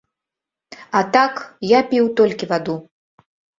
А так, я піў толькі ваду.